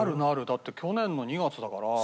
だって去年の２月だから。